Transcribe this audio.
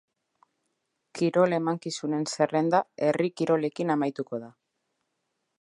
Kirol emankizunen zerrenda herri kirolekin amaituko da.